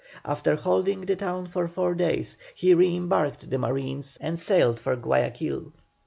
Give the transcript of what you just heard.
After holding the town for four days, he re embarked the marines and sailed for Guayaquil.